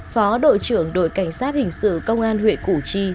phó đội trưởng đội cảnh sát hình sự công an huyện củ chi